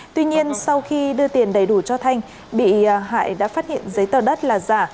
tuy nhiên sau khi đưa tiền đầy đủ cho thanh bị hại đã phát hiện giấy tờ đất là giả